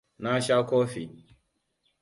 Na sha kofi.